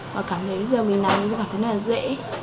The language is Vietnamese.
và cảm thấy bây giờ mình làm thì mình cảm thấy rất là dễ